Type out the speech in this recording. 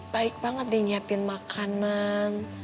baik banget di nyiapin makanan